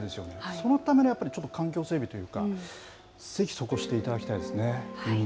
そのためのやっぱり環境整備というか、ぜひそこをしていただきたいですね。